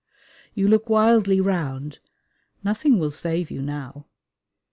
You look wildly round: nothing will save you now.